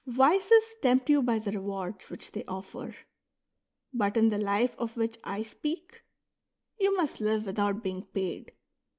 Vices tempt you by the rewards which they offer ; but in the life of which I speak, you must live without being paid.